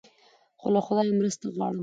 خو له خدایه مرسته غواړم.